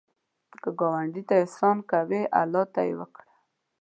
که ګاونډي ته احسان کوې، الله ته یې وکړه